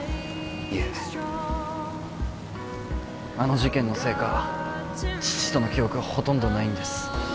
いえあの事件のせいか父との記憶はほとんどないんです